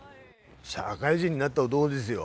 社会人になった男ですよ。